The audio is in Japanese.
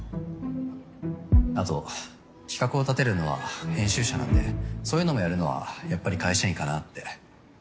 後企画を立てるのは編集者なんでそういうのもやるのはやっぱり会社員かなって。